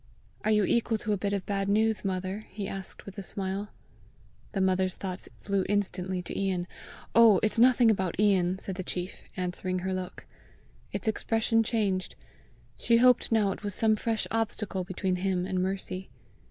"Are you equal to a bit of bad news, mother?" he asked with a smile. The mother's thoughts flew instantly to Ian. "Oh, it's nothing about Ian!" said the chief, answering her look. Its expression changed; she hoped now it was some fresh obstacle between him and Mercy.